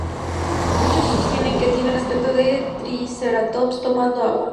Muchos sostienen que tiene el aspecto de un triceratops tomando agua.